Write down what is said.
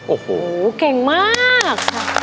โอ้โหเก่งมาก